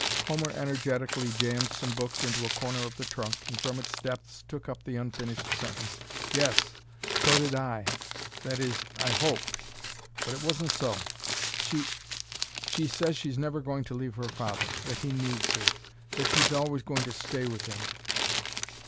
Homer energetically jammed some books into a corner of the trunk, and from its depths took up the unfinished sentence. "Yes; so did I. That is I hoped. But it wasn't so. She she says she's never going to leave her father that he needs her that she's always going to stay with him."